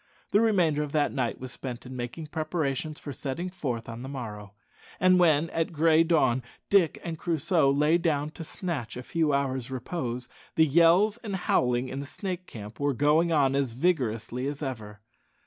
The remainder of that night was spent in making preparations for setting forth on the morrow; and when, at gray dawn, Dick and Crusoe lay down to snatch a few hours' repose, the yells and howling in the Snake camp were going on as vigorously as ever.